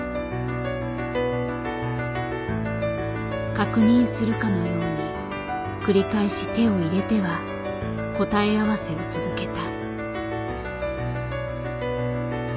確認するかのように繰り返し手を入れては答え合わせを続けた。